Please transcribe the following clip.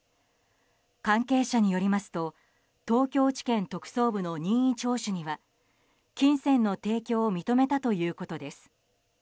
関係者によりますと東京地検特捜部の任意聴取には、金銭の提供を認めたということです。